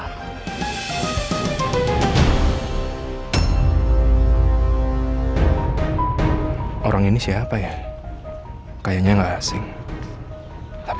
hai hai e mash being orang ini siapa ya kayaknya nggak asing tapi